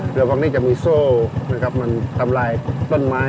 เรือข้างนี้จะมีโซ่นะครับมันทำลายต้นไม้